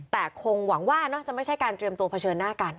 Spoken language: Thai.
แต่คงหวังว่าจะไม่ใช่การเตรียมตัวเผชิญหน้ากัน